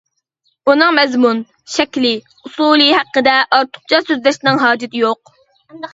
ئۇنىڭ مەزمۇن، شەكلى، ئۇسۇلى ھەققىدە ئارتۇقچە سۆزلەشنىڭ ھاجىتى يوق.